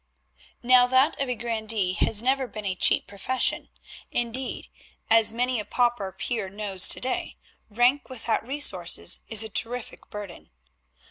Now that of a grandee has never been a cheap profession; indeed, as many a pauper peer knows to day, rank without resources is a terrific burden.